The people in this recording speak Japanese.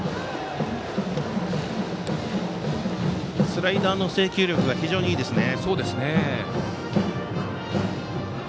スライダーの制球力が非常にいいですね。